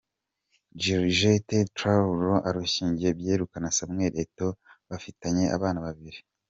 Georgette Tra Lou arushinganye byeruye na Samuel Eto’o bafitanye abana babiri.